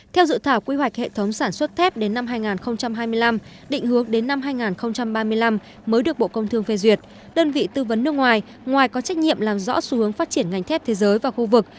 theo dự thảo quy hoạch hệ thống sản xuất thép đến năm hai nghìn hai mươi năm định hướng đến năm hai nghìn ba mươi năm mới được bộ công thương phê duyệt đơn vị tư vấn nước ngoài ngoài có trách nhiệm làm rõ xu hướng phát triển ngành thép thế giới và khu vực